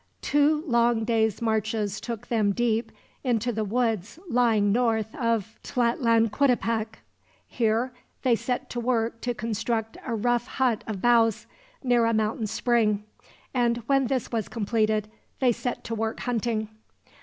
Two long days' marches took them deep into the woods lying north of Tlatlanquitepec. Here they set to work to construct a rough hut of boughs, near a mountain spring; and when this was completed, they set to work hunting.